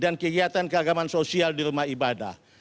dan kegiatan keagamaan sosial di rumah ibadah